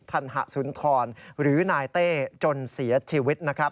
ธนหสุนทรหรือนายเต้จนเสียชีวิต